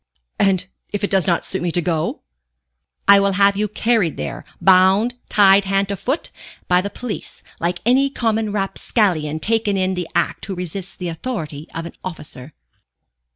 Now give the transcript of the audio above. "And if it does not suit me to go?" "I will have you carried there, bound, tied hand and foot, by the police, like any common rapscallion taken in the act who resists the authority of an officer."